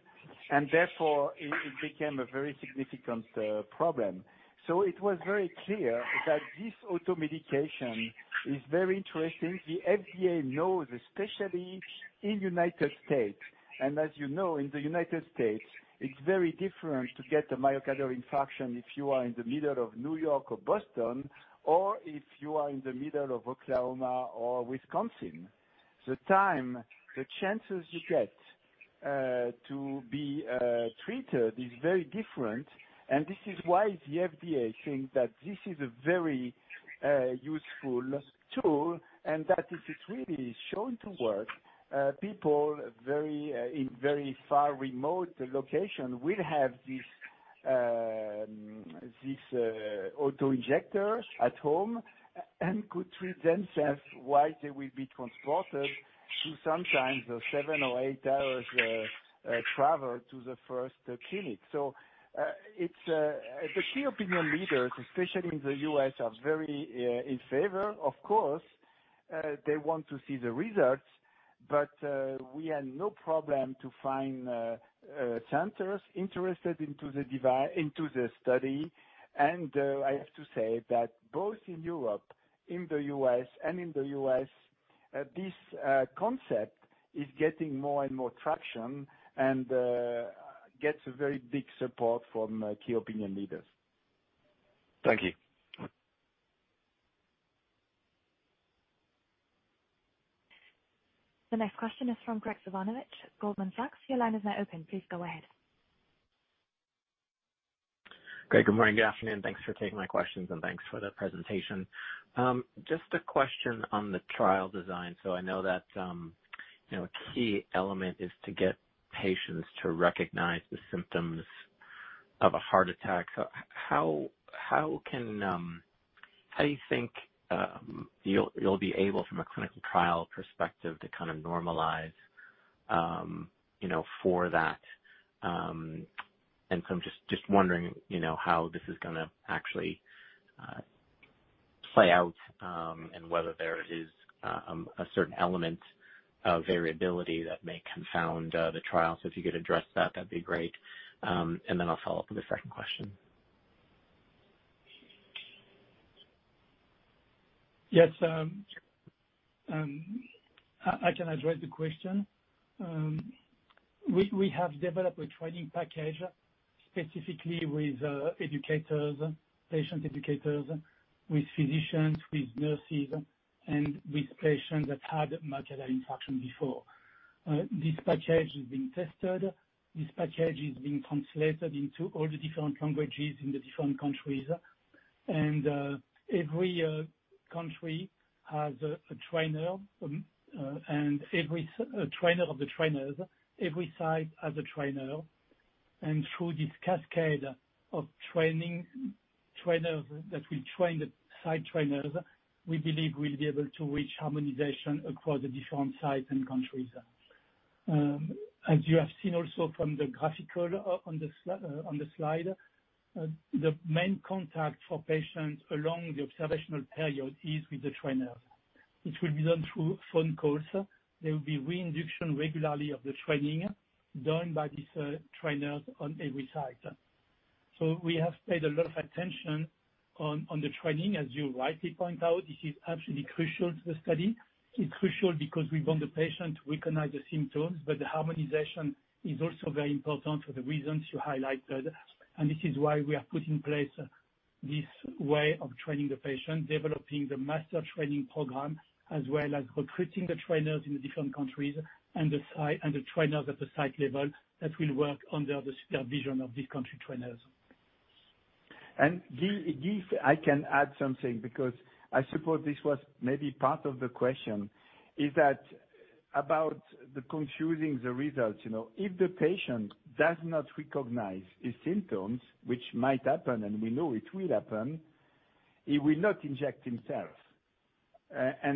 Speaker 3: and therefore it became a very significant problem. It was very clear that this auto medication is very interesting. The FDA knows, especially in United States, and as you know, in the United States, it is very different to get a myocardial infarction if you are in the middle of New York or Boston or if you are in the middle of Oklahoma or Wisconsin. The time, the chances you get to be treated is very different. This is why the FDA thinks that this is a very useful tool and that if it really is shown to work people in very far remote location will have this auto-injector at home and could treat themselves while they will be transported to sometimes seven or eight hours travel to the first clinic. The key opinion leaders, especially in the U.S., are very in favor. Of course, they want to see the results, but we had no problem to find centers interested into the study. I have to say that both in Europe and in the U.S., this concept is getting more and more traction and gets a very big support from key opinion leaders.
Speaker 6: Thank you.
Speaker 1: The next question is from Greg Svorinich, Goldman Sachs. Your line is now open. Please go ahead.
Speaker 7: Greg, good morning, good afternoon. Thanks for taking my questions and thanks for the presentation. Just a question on the trial design. I know that a key element is to get patients to recognize the symptoms of a heart attack. How do you think you'll be able from a clinical trial perspective to kind of normalize for that? I'm just wondering how this is going to actually play out, and whether there is a certain element of variability that may confound the trial. If you could address that'd be great. And then I'll follow up with a second question.
Speaker 5: Yes. I can address the question. We have developed a training package specifically with patient educators, with physicians, with nurses, and with patients that had myocardial infarction before. This package has been tested. This package is being translated into all the different languages in the different countries. Every country has a trainer, and every trainer of the trainers, every site has a trainer. Through this cascade of trainers that we train the site trainers, we believe we'll be able to reach harmonization across the different sites and countries. As you have seen also from the graphical on the slide, the main contact for patients along the observational period is with the trainer, which will be done through phone calls. There will be reinduction regularly of the training done by these trainers on every site. We have paid a lot of attention on the training. As you rightly point out, this is absolutely crucial to the study. It is crucial because we want the patient to recognize the symptoms. The harmonization is also very important for the reasons you highlighted. This is why we have put in place this way of training the patient, developing the master training program, as well as recruiting the trainers in the different countries and the trainers at the site level that will work under the supervision of the country trainers.
Speaker 3: Guy, I can add something because I suppose this was maybe part of the question, is that about the confusing the results. If the patient does not recognize the symptoms, which might happen, and we know it will happen, he will not inject himself.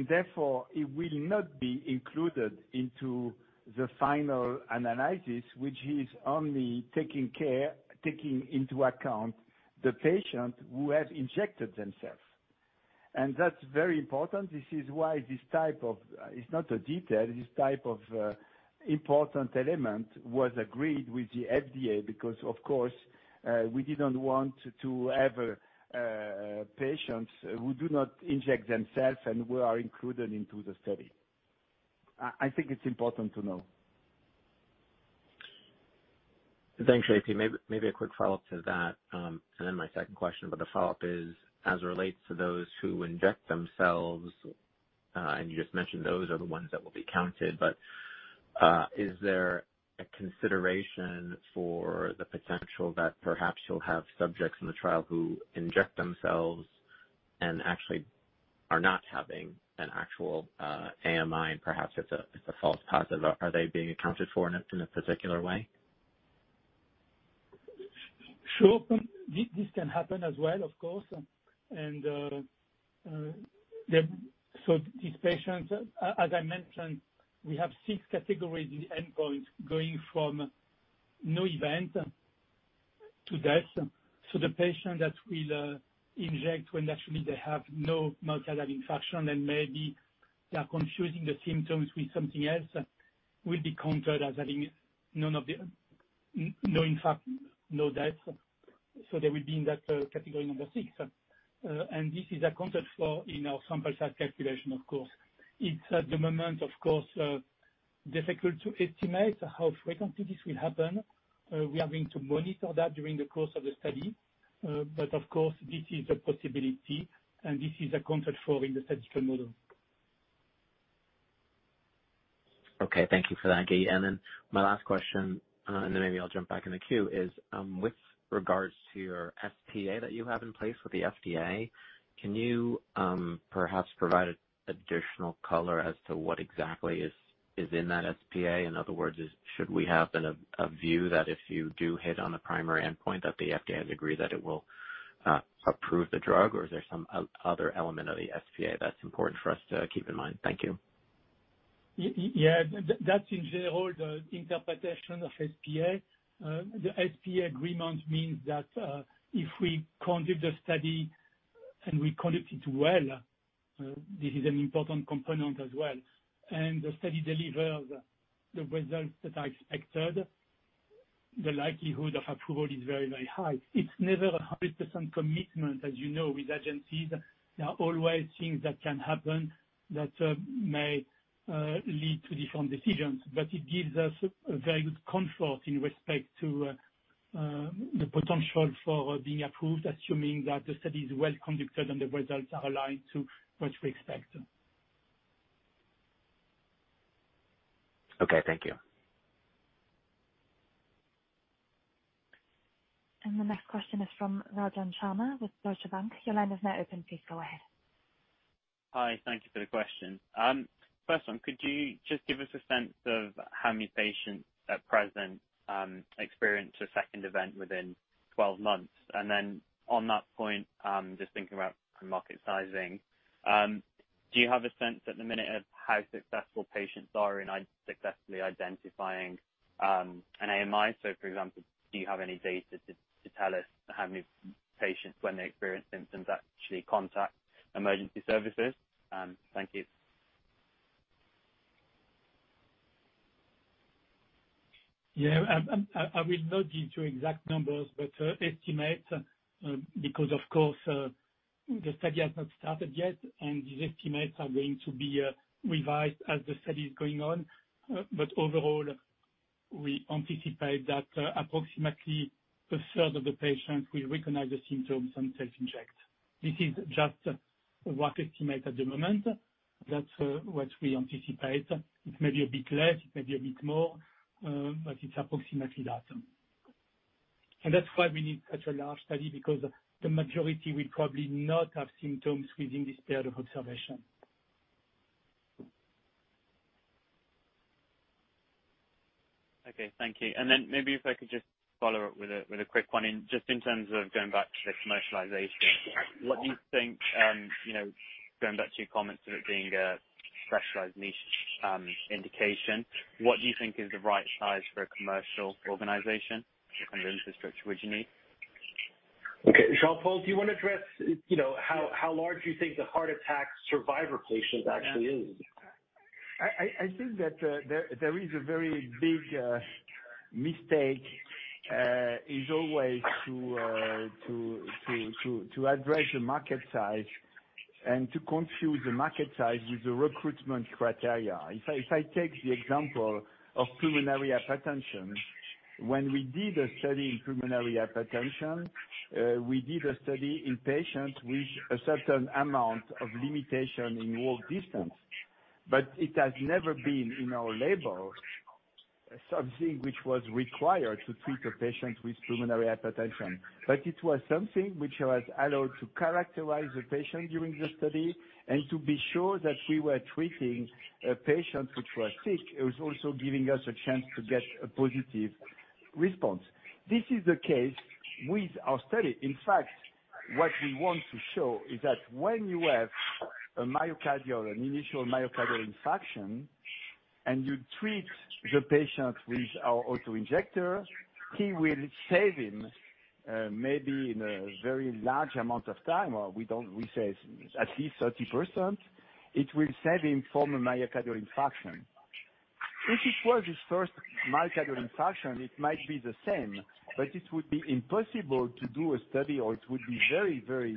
Speaker 3: Therefore, he will not be included into the final analysis, which is only taking into account the patients who have injected themselves. That's very important. This is why this type of, it's not a detail, this type of important element was agreed with the FDA because, of course, we didn't want to have patients who do not inject themselves and who are included into the study. I think it's important to know.
Speaker 7: Thanks, JP. Maybe a quick follow-up to that, and then my second question, but the follow-up is, as it relates to those who inject themselves, and you just mentioned those are the ones that will be counted, but is there a consideration for the potential that perhaps you'll have subjects in the trial who inject themselves and actually are not having an actual AMI, perhaps it's a false positive? Are they being accounted for in a particular way?
Speaker 5: Sure. This can happen as well, of course. These patients, as I mentioned, we have six categories in the endpoint going from no event to death. The patient that will inject when actually they have no myocardial infarction and maybe they are confusing the symptoms with something else, will be counted as having no impact, no death. They will be in that category number six. This is accounted for in our sample size calculation, of course. It's at the moment, of course, difficult to estimate how frequently this will happen. We are going to monitor that during the course of the study. Of course, this is a possibility and this is accounted for in the statistical model.
Speaker 7: Okay. Thank you for that Guy. My last question, then maybe I'll jump back in the queue, is with regards to your SPA that you have in place with the FDA, can you perhaps provide additional color as to what exactly is in that SPA? In other words, should we have a view that if you do hit on a primary endpoint that the FDA has agreed that it will approve the drug or is there some other element of the SPA that's important for us to keep in mind? Thank you.
Speaker 5: That's in general the interpretation of SPA. The SPA agreement means that if we conduct the study and we conduct it well, this is an important component as well, and the study delivers the results that are expected, the likelihood of approval is very, very high. It's never 100% commitment, as you know, with agencies. There are always things that can happen that may lead to different decisions. It gives us a very good comfort in respect to the potential for being approved, assuming that the study is well conducted and the results are aligned to what we expect.
Speaker 7: Okay, thank you.
Speaker 1: The next question is from Rajan Sharma with Deutsche Bank. Your line is now open. Please go ahead.
Speaker 8: Hi, thank you for the question. First one, could you just give us a sense of how many patients at present experience a second event within 12 months? On that point, just thinking about market sizing, do you have a sense at the minute of how successful patients are in successfully identifying an AMI? For example, do you have any data to tell us how many patients when they experience symptoms actually contact emergency services? Thank you.
Speaker 5: Yeah. I will not give you exact numbers but estimate because of course the study has not started yet, and these estimates are going to be revised as the study is going on. Overall, we anticipate that approximately a third of the patients will recognize the symptoms and self-inject. This is just a rough estimate at the moment. That's what we anticipate. It may be a bit less, it may be a bit more, but it's approximately that. That's why we need such a large study, because the majority will probably not have symptoms within this period of observation.
Speaker 8: Okay, thank you. Then maybe if I could just follow up with a quick one, just in terms of going back to the commercialization. Going back to your comments about it being a specialized niche indication, what do you think is the right size for a commercial organization? What kind of infrastructure would you need?
Speaker 2: Okay. Jean-Paul, do you want to address how large you think the heart attack survivor patient actually is?
Speaker 3: I think that there is a very big mistake, is always to address the market size and to confuse the market size with the recruitment criteria. If I take the example of pulmonary hypertension. When we did a study in pulmonary hypertension, we did a study in patients with a certain amount of limitation in walk distance. It has never been in our label something which was required to treat a patient with pulmonary hypertension. It was something which was allowed to characterize the patient during the study and to be sure that we were treating patients which were sick. It was also giving us a chance to get a positive response. This is the case with our study. In fact, what we want to show is that when you have an initial myocardial infarction, and you treat the patient with our auto-injector, he will save him, maybe in a very large amount of time. We say at least 30%, it will save him from a myocardial infarction. It would be impossible to do a study, or it would be very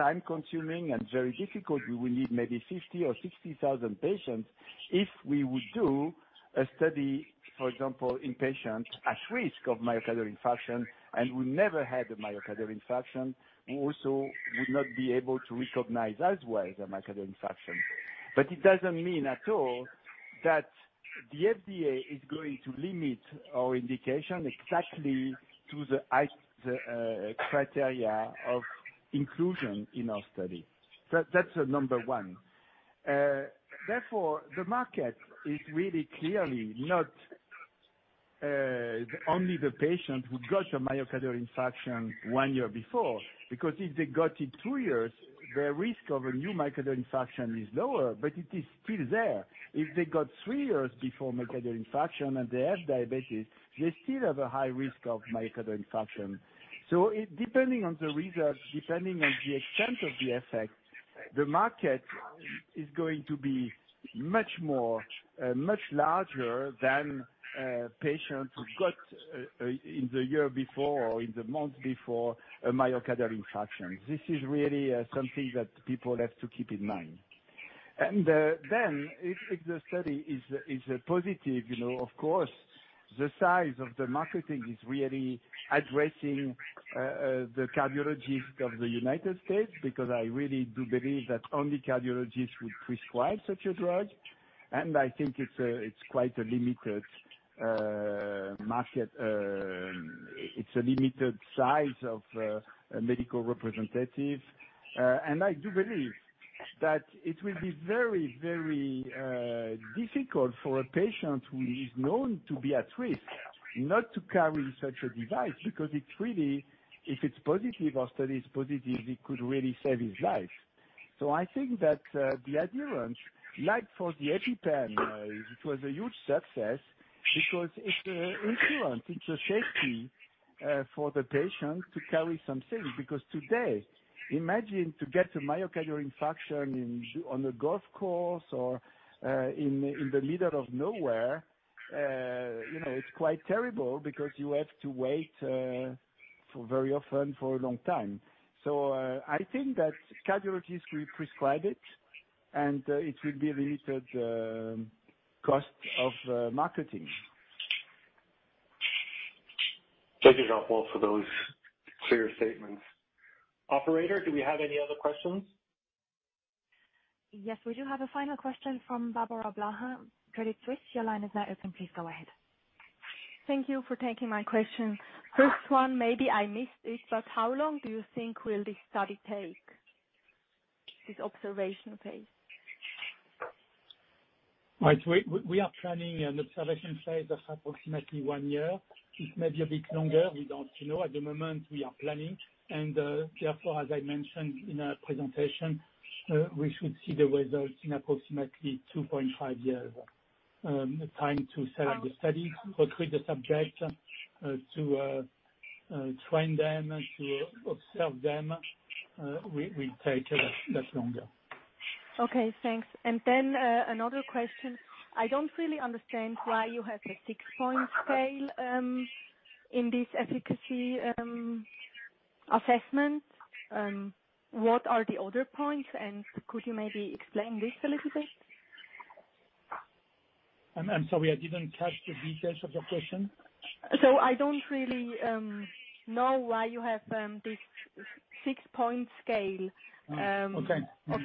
Speaker 3: time-consuming and very difficult. We will need maybe 50,000 or 60,000 patients if we would do a study, for example, in patients at risk of myocardial infarction and who never had a myocardial infarction, who also would not be able to recognize otherwise a myocardial infarction. It doesn't mean at all that the FDA is going to limit our indication exactly to the criteria of inclusion in our study. That's number one. Therefore, the market is really clearly not only the patient who got a myocardial infarction one year before. Because if they got it two years, their risk of a new myocardial infarction is lower, but it is still there. If they got three years before myocardial infarction and they have diabetes, they still have a high risk of myocardial infarction. Depending on the result, depending on the extent of the effect, the market is going to be much larger than patients who got in the year before or in the month before a myocardial infarction. This is really something that people have to keep in mind. If the study is positive, of course, the size of the marketing is really addressing the cardiologists of the U.S., because I really do believe that only cardiologists would prescribe such a drug, and I think it's quite a limited market. It's a limited size of medical representatives. I do believe that it will be very difficult for a patient who is known to be at risk not to carry such a device, because it's really, if our study is positive, it could really save his life. I think that the adherence, like for the EpiPen, it was a huge success because it's an insurance, it's a safety for the patient to carry something. Today, imagine to get a myocardial infarction on a golf course or in the middle of nowhere. It's quite terrible because you have to wait very often for a long time. I think that cardiologists will prescribe it and it will be limited cost of marketing.
Speaker 2: Thank you, Jean-Paul, for those clear statements. Operator, do we have any other questions?
Speaker 1: Yes, we do have a final question from Barbora Blaha, Credit Suisse. Your line is open. Please go ahead.
Speaker 9: Thank you for taking my questions. First one, maybe I missed it, how long do you think will this study take?
Speaker 5: We are planning an observation phase of approximately one year. It may be a bit longer. We don't know at the moment. We are planning. Therefore, as I mentioned in our presentation, we should see the results in approximately 2.5 years. The time to set up the study, recruit the subject, to train them, to observe them, will take a lot longer.
Speaker 9: Okay, thanks. Another question. I don't really understand why you have a six-point scale in this efficacy assessment. What are the other points, and could you maybe explain this a little bit?
Speaker 5: I'm sorry, I didn't catch the details of your question.
Speaker 9: I don't really know why you have this six-point scale of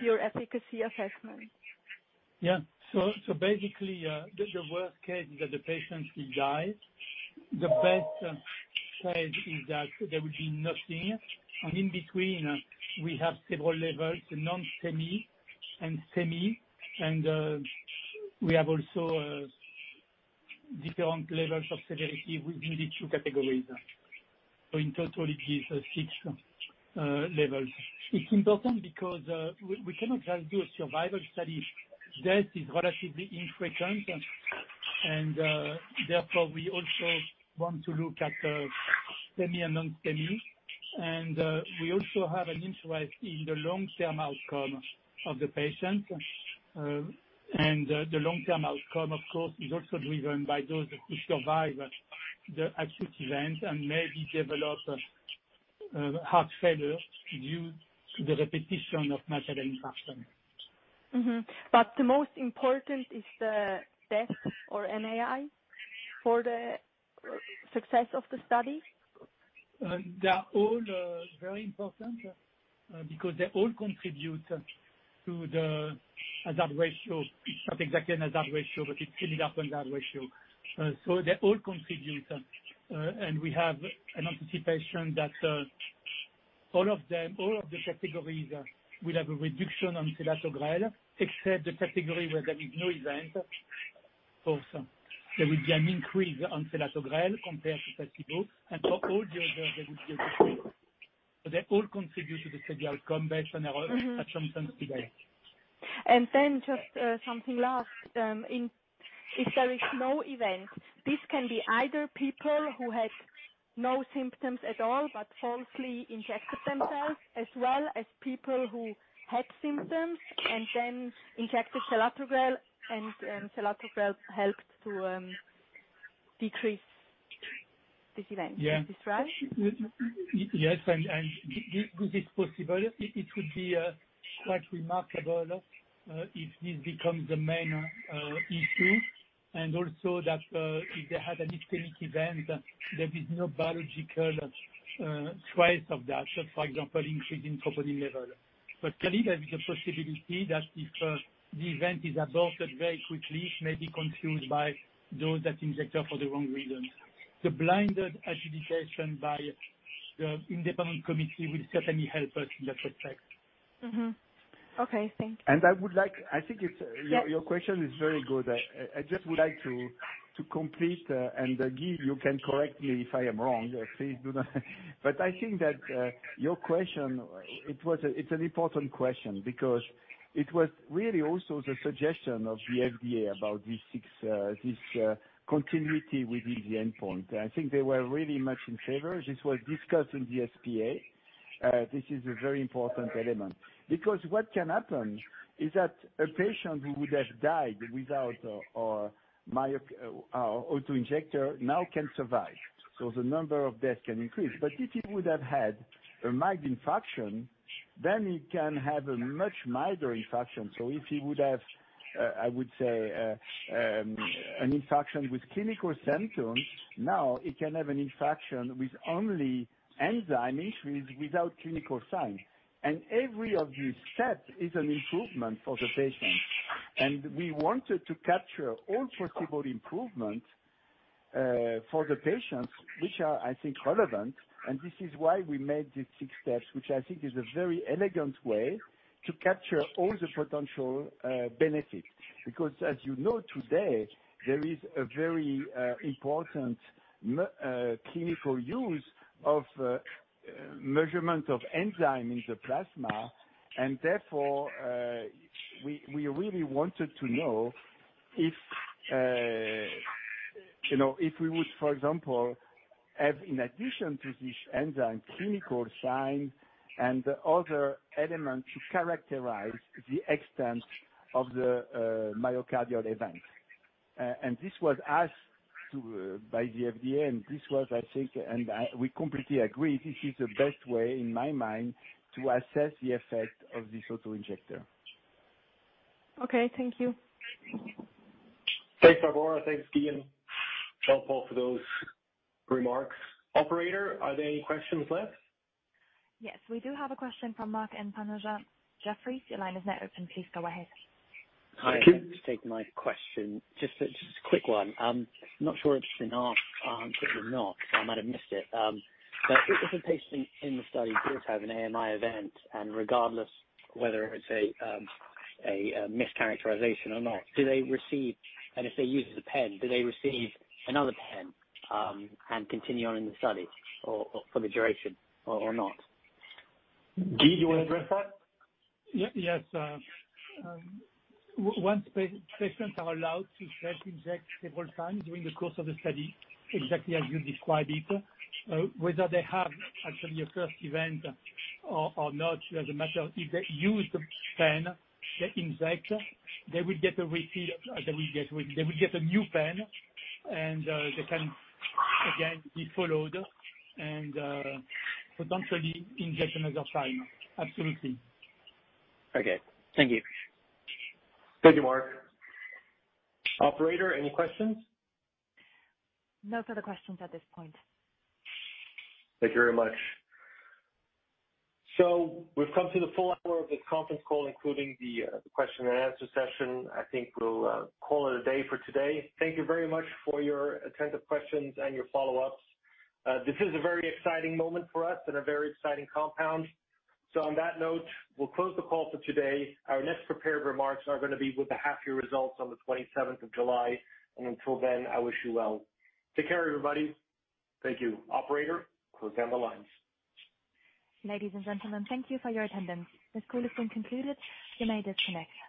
Speaker 9: your efficacy assessment.
Speaker 5: Basically, the worst case is that the patient will die. The best case is that there will be nothing. In between, we have several levels, non-STEMI and STEMI. We have also different levels of severity within the two categories. In total, it is six levels. It's important because we cannot just do a survival study. Death is relatively infrequent, and therefore we also want to look at STEMI and non-STEMI. We also have an interest in the long-term outcome of the patient. The long-term outcome, of course, is also driven by those who survive the acute event and maybe develop heart failure due to the repetition of myocardial infarction.
Speaker 9: The most important is the death or AMI for the success of the study?
Speaker 5: They are all very important because they all contribute to the hazard ratio. It's not exactly a hazard ratio, but it's [filling up] on that ratio. They all contribute, and we have an anticipation that all of the categories will have a reduction on selatogrel, except the category where there is no event. Also, there will be an increase on selatogrel compared to placebo, and for all the others, there will be a decrease. They all contribute to the severe outcome based on assumptions today.
Speaker 9: Just something last. If there is no event, this can be either people who had no symptoms at all but falsely injected themselves, as well as people who had symptoms and then injected selatogrel and selatogrel helped to decrease this event.
Speaker 5: Yeah.
Speaker 9: Is this right?
Speaker 5: Yes, and this is possible. It would be quite remarkable if this becomes the main issue, and also that if they had an extreme event, there is no biological trace of that. For example, increase in platelet level. Clearly, there is a possibility that if the event is absorbed very quickly, it may be confused by those that inject it for the wrong reasons. The blinded adjudication by the independent committee will certainly help us in that respect.
Speaker 9: Okay. Thanks.
Speaker 3: I think your question is very good. I just would like to complete, Guy, you can correct me if I am wrong. Please do that. I think that your question, it's an important question because it was really also the suggestion of the FDA about this continuity within the endpoint. I think they were really much in favor. This was discussed in the SPA. This is a very important element. What can happen is that a patient who would have died without our auto-injector now can survive. The number of deaths can increase. If he would have had a mild infarction, he can have a much milder infarction. If he would have, I would say, an infarction with clinical symptoms, now he can have an infarction with only enzyme issues, without clinical signs. Every of these steps is an improvement for the patient. We wanted to capture all possible improvements for the patients, which are, I think, relevant. This is why we made these six steps, which I think is a very elegant way to capture all the potential benefits. As you know today, there is a very important clinical use of measurement of enzyme in the plasma, and therefore, we really wanted to know if we would, for example, have, in addition to this enzyme, clinical signs and other elements to characterize the extent of the myocardial event. This was asked by the FDA, and this was, I think, and we completely agree, this is the best way, in my mind, to assess the effect of this auto-injector.
Speaker 9: Okay. Thank you.
Speaker 2: Thanks, Barbora. Thanks, Guy. Jean-Paul for those remarks. Operator, are there any questions left?
Speaker 1: Yes. We do have a question from Mark Purcell. Jefferies, your line is now open. Please go ahead.
Speaker 10: Thank you. Hi. Just take my question. Just a quick one. I'm not sure if it's been asked or not. I might have missed it. If a patient in the study does have an AMI event, and regardless whether it's a mischaracterization or not, and if they use the pen, do they receive another pen and continue on in the study for the duration or not?
Speaker 3: Guy, you want to address that?
Speaker 5: Yes. Once patients are allowed to self-inject several times during the course of the study, exactly as you described it, whether they have actually a first event or not, it doesn't matter. If they use the pen, the injector, they will get a refill. They will get a new pen, and they can again be followed and potentially inject another time. Absolutely.
Speaker 10: Okay. Thank you.
Speaker 2: Thank you, Mark. Operator, any questions?
Speaker 1: No further questions at this point.
Speaker 3: Thank you very much. We've come to the full hour of this conference call, including the question and answer session. I think we'll call it a day for today. Thank you very much for your attentive questions and your follow-ups. This is a very exciting moment for us and a very exciting compound. On that note, we'll close the call for today. Our next prepared remarks are going to be with the half-year results on the 27th of July. Until then, I wish you well. Take care, everybody. Thank you. Operator, close down the lines.
Speaker 1: Ladies and gentlemen, thank you for your attendance. This call has been concluded. You may disconnect.